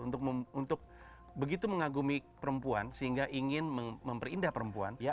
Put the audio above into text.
untuk begitu mengagumi perempuan sehingga ingin memperindah perempuan